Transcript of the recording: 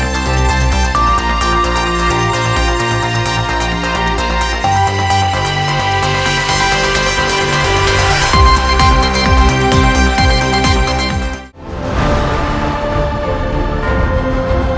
hẹn gặp lại